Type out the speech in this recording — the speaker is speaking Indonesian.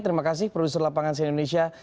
terima kasih produser lapangan si indonesia